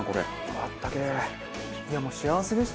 あったけえ！